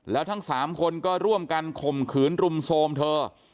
แล้วทั้ง๓คนก็ร่วมกันข่มขืนรุมโทรมเธอ